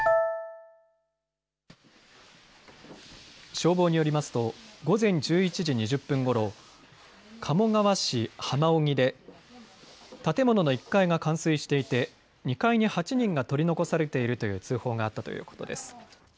消防によりますと午前１１時２０分ごろ鴨川市浜荻で建物の１階が冠水していて２階に８人が取り残されているという通報があったということです。